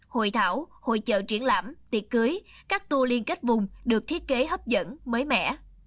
hội thảo hội trợ triển lãm tiệc cưới các tour liên kết vùng được thiết kế hấp dẫn mới mẻ